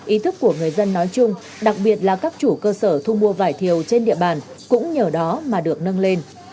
ý thức của người dân nói chung đặc biệt là các chủ cơ sở thu mua vải thiều trên địa bàn cũng nhờ đó mà được nâng lên